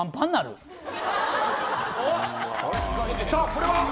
これは。